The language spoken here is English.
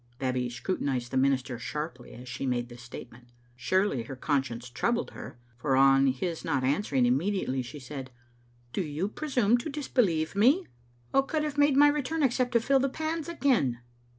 Babbie scrutinised the minister sharply as she made this statement. Surely her conscience troubled her, for on his not answering immediately she said, "Do you presume to disbelieve me? What could have made me return except to fill the pans again?"